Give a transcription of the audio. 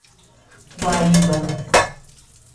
Guaíba